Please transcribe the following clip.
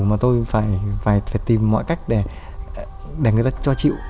mà tôi phải tìm mọi cách để người ta cho chịu